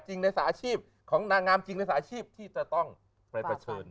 จริงในสถาอาชีพของนางงามจริงในสถาอาชีพที่จะต้องไปประเทิน